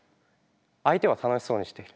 相手は楽しそうにしている。